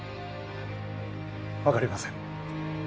分かりません。